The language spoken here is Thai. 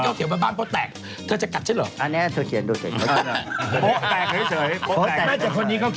เขาตัดวันละอย่างนี้